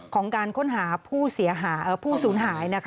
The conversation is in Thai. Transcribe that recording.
ของการค้นหาผู้สูญหาย